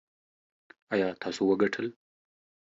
ایا تاسو وګټل؟